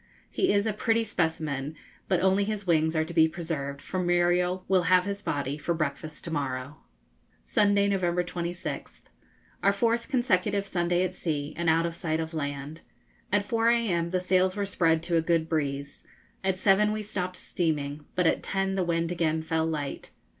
He is a pretty specimen, but only his wings are to be preserved, for Muriel will have his body for breakfast to morrow. Sunday, November 26th. Our fourth consecutive Sunday at sea, and out of sight of land. At 4 a.m. the sails were spread to a good breeze. At 7 we stopped steaming, but at 10 the wind again fell light.